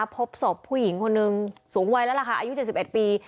พบศพผู้หญิงคนนึงสูงวัยแล้วล่ะค่ะอายุ๗๑ปี